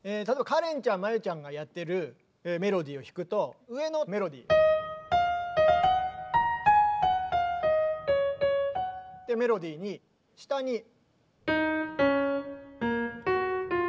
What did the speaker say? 例えばかれんちゃんＭＡＹＵちゃんがやってるメロディーを弾くと上のメロディー。ってメロディーに下に。